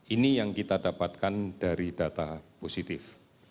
ini yang kita dapatkan dari data positif